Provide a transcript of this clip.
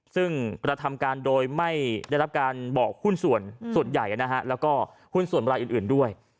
ซึ่งกระทำการโดยไม่ได้รับการบอกหุ้นส่วนใหญ่แล้วก็หุ้นส่วนรายอื่นด้วย